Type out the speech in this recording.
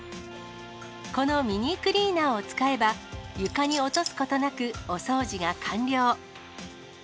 このミニクリーナーを使えば、床に落とすことなく、お掃除が完了。